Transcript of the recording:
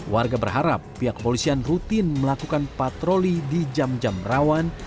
warga berharap pihak kepolisian rutin melakukan patroli di jam jam rawan